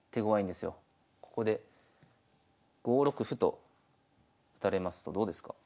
ここで５六歩と打たれますとどうですか？